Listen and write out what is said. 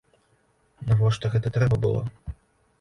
Навошта гэта трэба было?